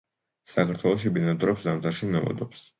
საქართველოში ბინადრობს, ზამთარში ნომადობს.